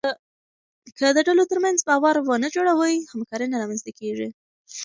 که د ډلو ترمنځ باور ونه جوړوې، همکاري نه رامنځته کېږي.